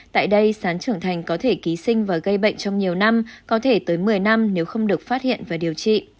tại đây sán trưởng thành có thể ký sinh và gây bệnh trong nhiều năm có thể tới một mươi năm nếu không được phát hiện và điều trị